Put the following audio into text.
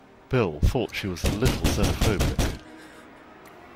Bill thought she was a little xenophobic.